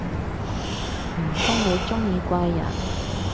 唔通你鍾意怪人